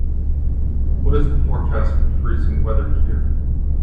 what is the forecast for freezing weather here